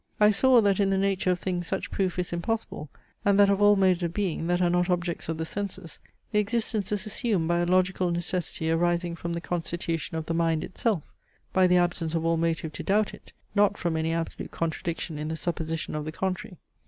I saw, that in the nature of things such proof is impossible; and that of all modes of being, that are not objects of the senses, the existence is assumed by a logical necessity arising from the constitution of the mind itself, by the absence of all motive to doubt it, not from any absolute contradiction in the supposition of the contrary.